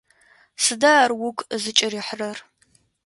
Сыда ар угу зыкӀырихьрэр?